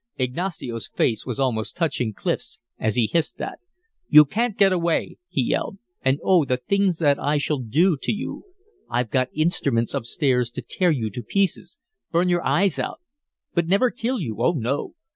Ignacio's face was almost touching Clif's as he hissed that. "You can't get away!" he yelled. "And, oh, the things that I shall do to you! I've got instruments up stairs to tear you to pieces, burn your eyes out but never kill you, oh, no!